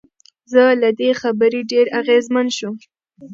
زه له دې خبرې ډېر اغېزمن شوم.